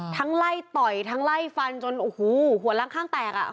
ไล่ต่อยทั้งไล่ฟันจนโอ้โหหัวล้างข้างแตกอ่ะ